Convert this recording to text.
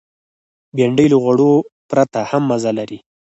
بېنډۍ له غوړو پرته هم مزه لري